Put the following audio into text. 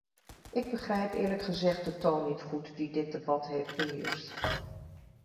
Ik begrijp eerlijk gezegd de toon niet goed die dit debat heeft beheerst.